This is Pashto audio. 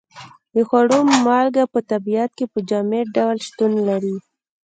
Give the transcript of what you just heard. د خوړو مالګه په طبیعت کې په جامد ډول شتون لري.